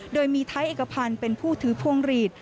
โดยมีไทยเอกพันธ์เป็นผู้ถือพวงหลีด